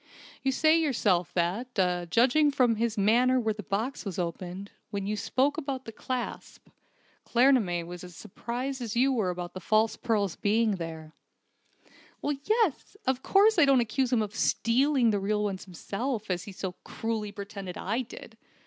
"You say yourself that, judging from his manner when the box was opened, and when you spoke about the clasp, Claremanagh was as surprised as you were at the false pearls being there." "Yes. Of course I don't accuse him of 'stealing' the real ones himself, as he so cruelly pretended I did.